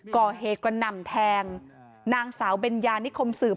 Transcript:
ก่อเหตุกระหน่ำแทงนางสาวเบญญานิคมสืบ